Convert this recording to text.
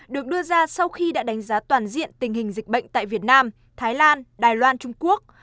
được đưa ra sau khi đã đánh giá toàn diện tình hình dịch bệnh tại việt nam thái lan đài loan trung quốc